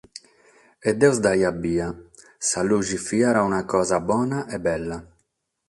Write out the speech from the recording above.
E Deus l’aiat bida: sa lughe fit una cosa bona e bella.